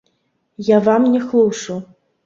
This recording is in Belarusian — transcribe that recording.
Я вам не хлушу!